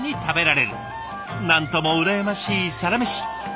なんとも羨ましいサラメシ！